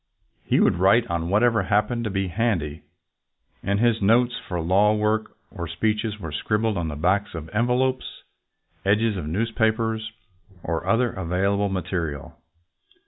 He would write on whatever happened to be handy, and his notes for law work or speeches were scribbled on the backs of envelopes, edges of newspapers, or other available material.